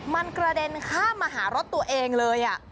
มันกระเด็นข้ามมาหารถตัวเองเลย